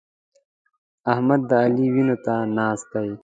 احمد د علي وينو ته ناست دی.